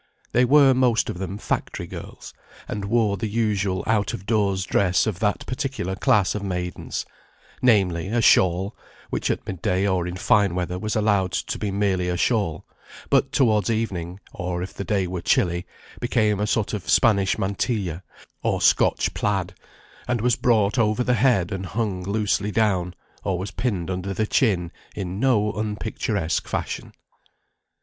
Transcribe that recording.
They were most of them factory girls, and wore the usual out of doors dress of that particular class of maidens; namely, a shawl, which at mid day or in fine weather was allowed to be merely a shawl, but towards evening, or if the day were chilly, became a sort of Spanish mantilla or Scotch plaid, and was brought over the head and hung loosely down, or was pinned under the chin in no unpicturesque fashion.